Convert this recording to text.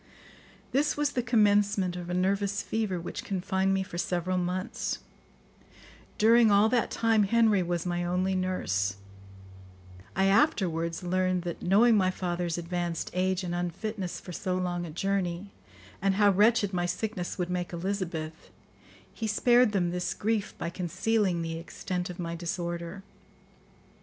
This was the commencement of a nervous fever which confined me for several months. During all that time Henry was my only nurse. I afterwards learned that, knowing my father's advanced age and unfitness for so long a journey, and how wretched my sickness would make Elizabeth, he spared them this grief by concealing the extent of my disorder.